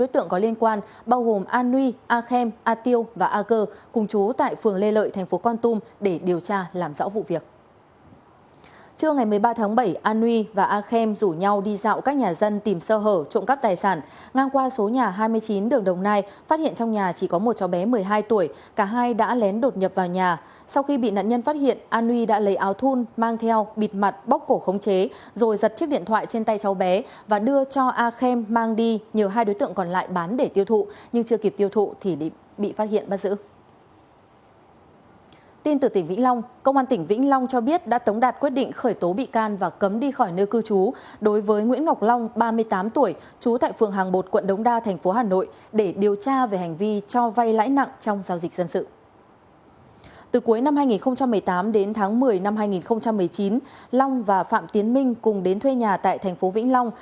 từ năm hai nghìn một mươi tám đến tháng một mươi năm hai nghìn một mươi chín long và phạm tiến minh cùng đến thuê nhà tại thành phố vĩnh long